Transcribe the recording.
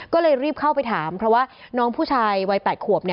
ก็เลยรีบเข้าไปถามเพราะว่าน้องผู้ชายวัย๘ขวบ